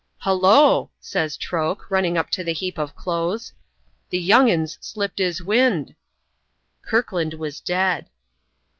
"Hullo!" says Troke, running to the heap of clothes, "the young 'un's slipped his wind!" Kirkland was dead.